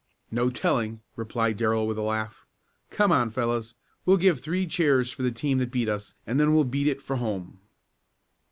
"No telling," replied Darrell with a laugh. "Come on, fellows. We'll give three cheers for the team that beat us and then we'll beat it for home."